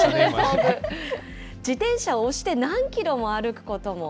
自転車を押して何キロも歩くことも。